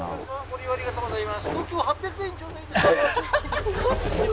ご利用ありがとうございます。